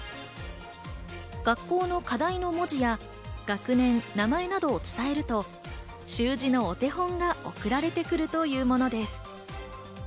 学校の課題の文字や学年、名前などを伝えると習字のお手本が送られてくるというものです。